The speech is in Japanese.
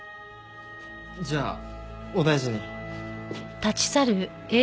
じゃあお大事に。